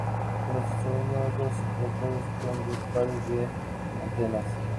Son los únicos artrópodos con dos pares de antenas.